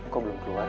kok belum keluar